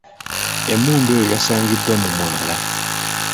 Emmundu eyo yasangiddwa mu mwala.